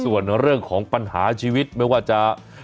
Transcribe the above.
ส่วนเรื่องของปัญหาชีวิตไม่ว่าจะ